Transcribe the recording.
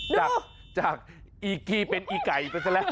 ดูอีกกี้เป็นอีไก่ก่อนแค่นั้นแต่ละ